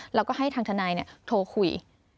แล้วก็ให้ทางทนายโทรคุย